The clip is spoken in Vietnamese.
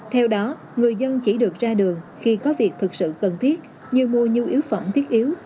theo đó người dân chỉ được ra đường khi có việc thực sự cần thiết như mua nhu yếu phẩm thiết yếu